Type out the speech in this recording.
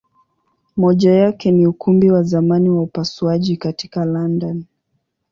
Moja yake ni Ukumbi wa zamani wa upasuaji katika London.